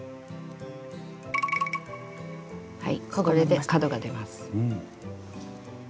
はいこれで角が出ます。